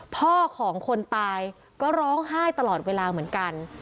พ่อของคนตายก็ร้องไห้ตลอดเวลาเหมือนกัน